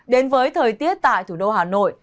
đến với thời tiết tại thủ đô hà nội